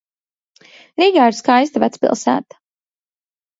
Rīgā ir skaista vecpilsēta.